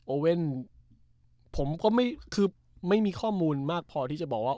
เว่นผมก็คือไม่มีข้อมูลมากพอที่จะบอกว่า